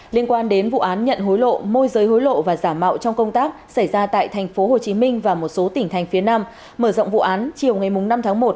liên quan đến vụ án nhận hối lộ môi giới hối lộ và giả mạo trong công tác xảy ra tại tp hcm và một số tỉnh thành phía nam mở rộng vụ án chiều ngày năm tháng một